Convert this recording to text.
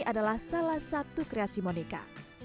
adalah salah satu kreasi moneka